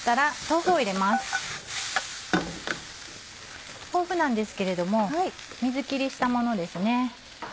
豆腐なんですけれども水切りしたものです。